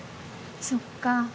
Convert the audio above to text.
そっか。